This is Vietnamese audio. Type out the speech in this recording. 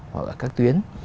hoặc là các tuyến